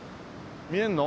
見えるの？